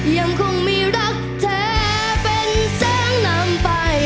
ยังคงมีรักแท้เป็นแสงนำไป